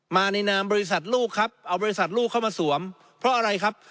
มาในนามบริษัทลูกครับเอาบริษัทลูกเข้ามาสวมเพราะอะไรครับ